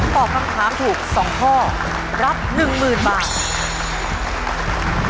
ตอบคำถามถูก๒ข้อรับ๑๐๐๐บาท